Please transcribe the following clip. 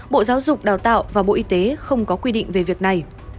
bộ giáo dục đào tạo và bộ y tế không có quy định về việc này